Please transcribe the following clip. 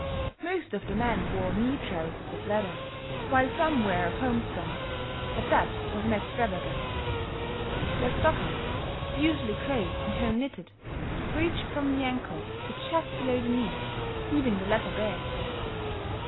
Most of the men wore knee trousers of leather, while some were of homespun, but that was an extravagance. The stockings, usually grey and home knitted, reached from the ankle to just below the knee leaving the latter bare.